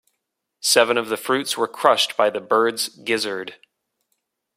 Seven of the fruits were crushed by the bird's gizzard.